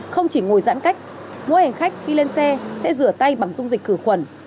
không chỉ ngồi giãn cách mỗi hành khách khi lên xe sẽ rửa tay bằng dung dịch khử khuẩn